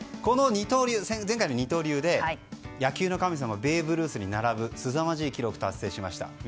前回の二刀流で野球の神様ベーブ・ルースに並ぶすさまじい記録達成しました。